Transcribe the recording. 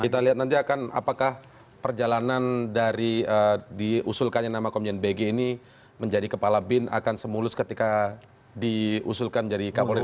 kita lihat nanti akan apakah perjalanan dari diusulkannya nama komjen bg ini menjadi kepala bin akan semulus ketika diusulkan jadi kapolri